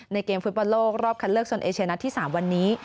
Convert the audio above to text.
เกมฟุตบอลโลกรอบคันเลือกโซนเอเชียนัดที่๓วันนี้